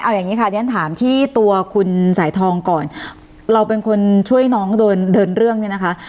เอาอย่างนี้ค่ะเรียนถามที่ตัวคุณสายทองก่อนเราเป็นคนช่วยน้องเดินเดินเรื่องเนี่ยนะคะ